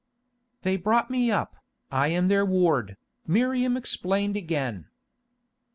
"They brought me up, I am their ward," Miriam explained again.